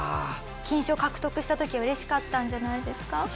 金賞獲得した時は嬉しかったんじゃないですか？